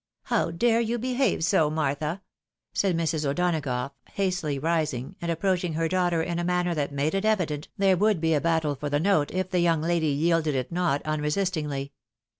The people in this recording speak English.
"How dare you behave so, Martha!" said Mrs. O'Dona gough, hastily rising, and approaching her daughter in a man ner that made it evident there would be a battle for the note, if the young lady yielded it not unresistingly.